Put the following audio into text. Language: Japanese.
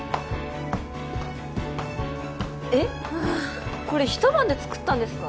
えっこれ一晩で作ったんですか？